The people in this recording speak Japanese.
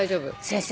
先生